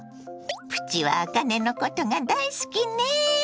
プチはあかねのことが大好きね。